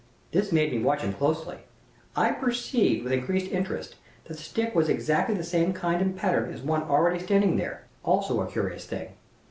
This made me watch him closely. I perceived with increased interest that the stick was exactly of the same kind and pattern as one already standing there, also a curious thing.